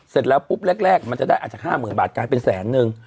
เสร็จแล้วปุ๊บแรกมันจะได้อาจจะ๕๐๐๐บาทกลายเป็นแสนนึง